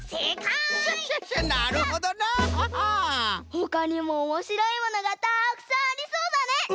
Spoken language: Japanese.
ほかにもおもしろいものがたくさんありそうだね。